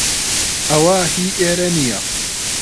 ئەوە هی ئێرە نییە.